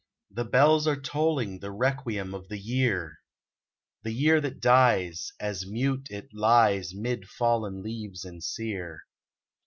The bells are tolling The requiem of the year : The year that dies, as mute it lies Mid fallen leaves and sere